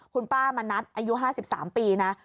คุณป้ามณัฐอายุ๕๓ปีนะ